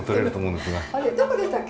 あれどこでしたっけ